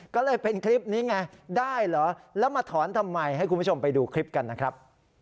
ก็เลยเป็นคลิปนี้ไงได้เหรอแล้วมาถอนทำไมให้คุณผู้ชมไปดูคลิปกันนะครับ